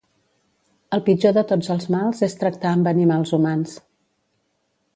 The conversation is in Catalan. El pitjor de tots els mals és tractar amb animals humans.